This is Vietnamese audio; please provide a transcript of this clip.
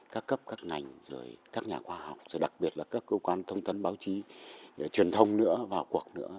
các cấp các ngành rồi các nhà khoa học rồi đặc biệt là các cơ quan thông tấn báo chí truyền thông nữa vào cuộc nữa